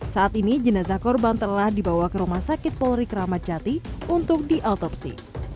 saat ini jenazah korban telah dibawa ke rumah sakit polri kramat jati untuk diautopsi